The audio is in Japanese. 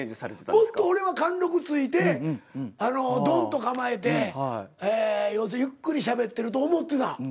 もっと俺は貫禄ついてドン！と構えて要するにゆっくりしゃべってると思ってた。